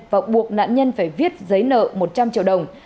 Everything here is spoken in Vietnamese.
và buộc nạn nhân phải viết giấy nợ một trăm linh triệu đồng